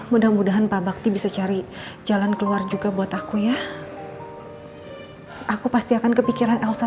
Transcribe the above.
mudah mudahan pak bakti bisa cari jalan keluar juga buat aku ya aku pasti akan kepikiran elsa